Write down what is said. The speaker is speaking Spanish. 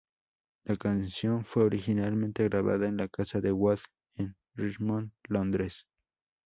La canción fue originalmente grabada en la casa de Wood en Richmond, Londres.